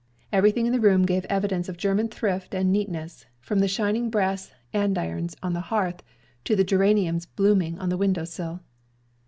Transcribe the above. Everything in the room gave evidence of German thrift and neatness, from the shining brass andirons on the hearth, to the geraniums blooming on the window sill.